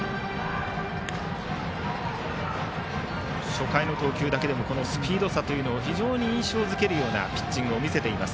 初回の投球だけでもスピード差というのを非常に印象付けるようなピッチングを見せています。